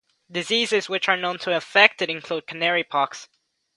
Diseases which are known to affect it include canarypox.